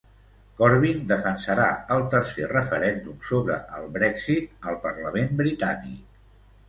Corbyn defensarà el tercer referèndum sobre el Brexit al Parlament britànic.